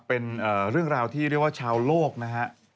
เป็นเรื่องราวที่ชาวโลกนะครับ